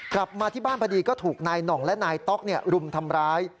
กลับมาที่บ้านพอดีก็ถูกนายหน่องและนายต๊อกรุมทำร้าย